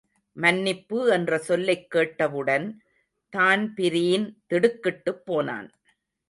மன்னிப்பு என்ற சொல்லைக் கேட்டவுடன், தான்பிரீன் திடுக்கிட்டுப் போனான்.